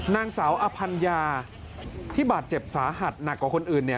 นางสาวอภัญญาที่บาดเจ็บสาหัสหนักกว่าคนอื่น